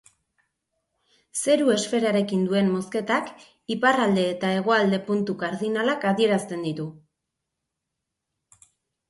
Zeru-esferarekin duen mozketak, iparralde eta hegoalde puntu kardinalak adierazten ditu.